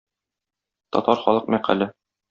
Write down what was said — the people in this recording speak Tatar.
Татар халык мәкале.